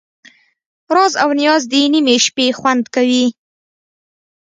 راز او نیاز د نیمې شپې خوند کوي.